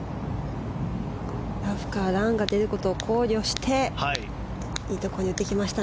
ラフからランが出ることを考慮していいところに打ってきました。